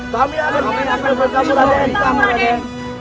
kami akan selalu setia kepada kamu raden